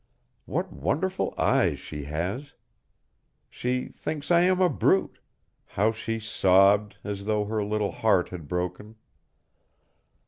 What wonderful eyes she has. She thinks I am a brute how she sobbed, as though her little heart had broken.